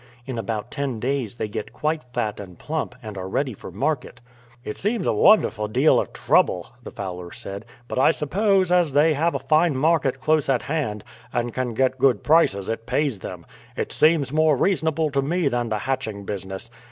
In about ten days they get quite fat and plump, and are ready for market." "It seems a wonderful deal of trouble," the fowler said. "But I suppose, as they have a fine market close at hand, and can get good prices, it pays them. It seems more reasonable to me than the hatching business.